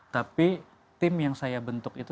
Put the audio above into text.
tapi tim yang saya bentuk itu